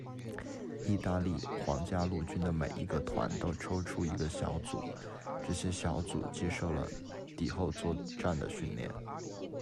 意大利皇家陆军每一个团都抽出一个小组，这些小组接受了敌后作战的训练。